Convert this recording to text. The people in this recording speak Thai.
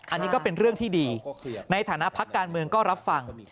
อันนี้ก็เป็นเรื่องที่ดีในฐานะพักการเมืองก็รับฟัง